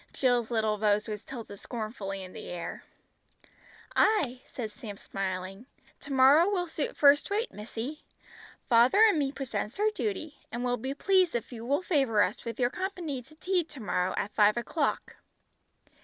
Jill's little nose was tilted scornfully in the air. "Aye," said Sam smiling; "to morrow will suit first rate, missy. Father and me presents our duty, and will be pleased if you will favour us with your company to tea to morrow at five o'clock."